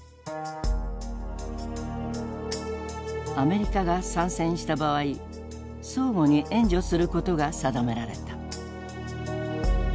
アメリカが参戦した場合相互に援助することが定められた。